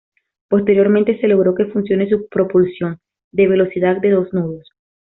Posteriormente se logró que funcione su propulsión, de velocidad de dos nudos.